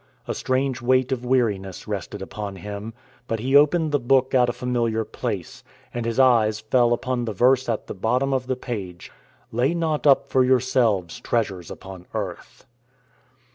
A strange weight of weariness rested upon him, but he opened the book at a familiar place, and his eyes fell upon the verse at the bottom of the page. "Lay not up for yourselves treasures upon earth."